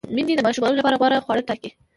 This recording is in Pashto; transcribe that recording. میندې د ماشومانو لپاره غوره خواړه ټاکي۔